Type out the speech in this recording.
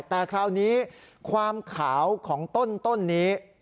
แต่คราวนี้ความขาวของต้นนี้